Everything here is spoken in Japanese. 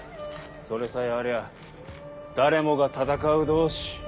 それさえありゃ誰もが戦う同志。